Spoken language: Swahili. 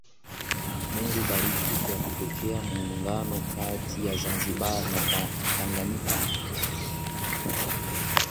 Mungu bariki kwa kutokea Muungano kati ya Zanzibar na Tanganyika